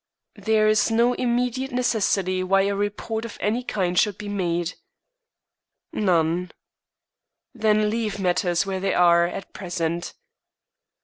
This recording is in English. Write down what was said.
"There is no immediate necessity why a report of any kind should be made." "None." "Then leave matters where they are at present."